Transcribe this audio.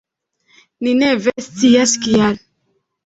Ni ne vere scias, kial.